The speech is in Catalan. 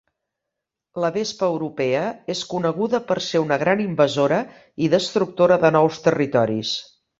La vespa europea és coneguda per ser una gran invasora i destructora de nous territoris.